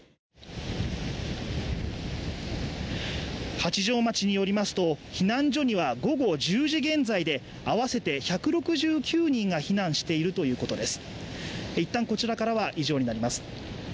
八丈町によりますと、避難所には午後１０時現在で、合わせて１６９人が避難しているということです